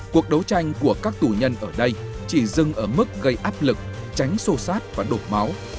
cuộc đấu tranh của các tù nhân ở đây chỉ dừng ở mức gây áp lực tránh xô xát và đột máu